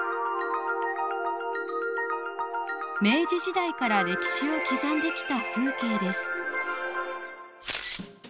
明治時代から歴史を刻んできた風景です。